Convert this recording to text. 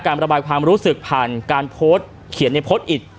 ระบายความรู้สึกผ่านการโพสต์เขียนในโพสต์อีก